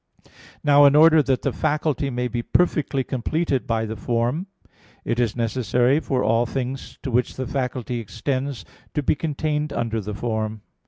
Now in order that the faculty may be perfectly completed by the form, it is necessary for all things to which the faculty extends to be contained under the form.